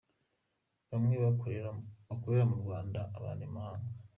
Bamwe bakorera mu Rwanda, abandi mu mahanga.